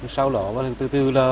sau đó từ từ là